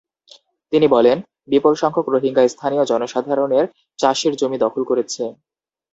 তিনি বলেন, বিপুলসংখ্যক রোহিঙ্গা স্থানীয় জনসাধারণের চাষের জমি দখল করেছে।